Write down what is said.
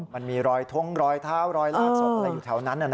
มันมีรอยท้องรอยเท้ารอยลากศพอะไรอยู่แถวนั้น